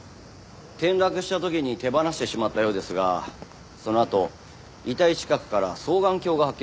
転落した時に手放してしまったようですがそのあと遺体近くから双眼鏡が発見されました。